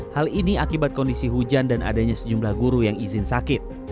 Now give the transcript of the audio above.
hal ini akibat kondisi hujan dan adanya sejumlah guru yang izin sakit